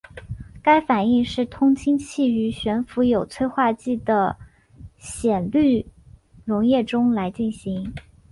该反应是通氢气于悬浮有催化剂的酰氯溶液中来进行。